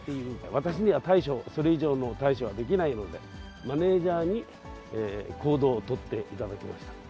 私には対処、それ以上の対処はできないので、マネージャーに行動を取っていただきました。